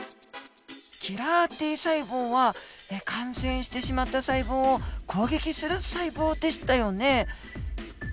キラーＴ細胞は感染してしまった細胞を攻撃する細胞でしたよね？